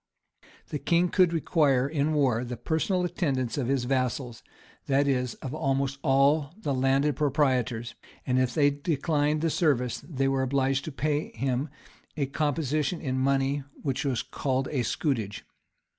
The king could require in war the personal attendance of his vassals, that is, of almost all the landed proprietors; and if they declined the service, they were obliged to pay him a composition in money, which was called a scutage.